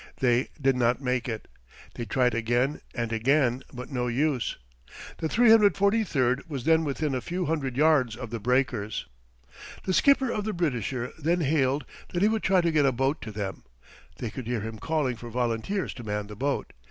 They did not make it. They tried again and again, but no use. The 343 was then within a few hundred yards of the breakers. The skipper of the Britisher then hailed that he would try to get a boat to them. They could hear him calling for volunteers to man the boat.